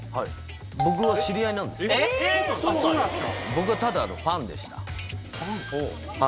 僕はただのファンでした。